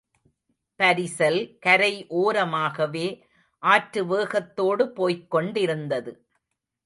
பரிசல் கரை ஓரமாகவே ஆற்று வேகத்தோடு போய்க் கொண்டிருந்தது.